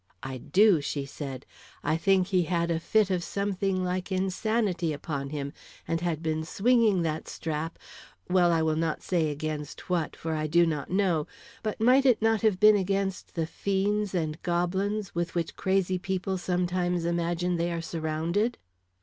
"I do," she said. "I think he had a fit of something like insanity upon him, and had been swinging that strap Well, I will not say against what, for I do not know, but might it not have been against the fiends and goblins with which crazy people sometimes imagine they are surrounded?"